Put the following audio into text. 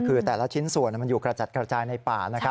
คือแต่ละชิ้นส่วนมันอยู่กระจัดกระจายในป่า